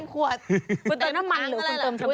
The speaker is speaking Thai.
คุณเติมน้ำมันหรือคุณเติมฉัน